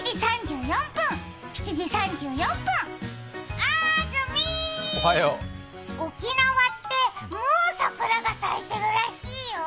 あーずみー、沖縄ってもう桜が咲いてるらしいよ。